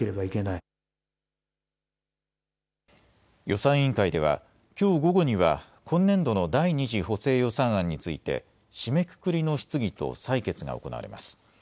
予算委員会ではきょう午後には今年度の第２次補正予算案について締めくくりの質疑と採決が行われます。